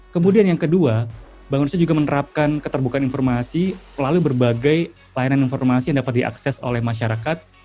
kemudian yang kedua bank indonesia juga menerapkan keterbukaan informasi melalui berbagai layanan informasi yang dapat diakses oleh masyarakat